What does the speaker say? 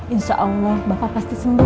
insya allah bapak pasti senang